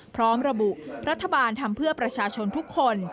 พร้อมระบุรัฐบาลทำเพื่อประชาชนทุกคน